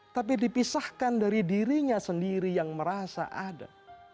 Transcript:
tapi dipisahkan dari dirinya sendiri yang merasa ada